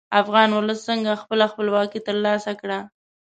افغان ولس څنګه خپله خپلواکي تر لاسه کړه.